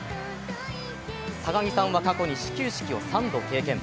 高木さんは過去に、始球式を３度経験。